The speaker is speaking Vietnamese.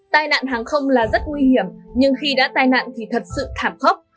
tài nạn hàng không là rất nguy hiểm nhưng khi đã tài nạn thì thật sự thảm khốc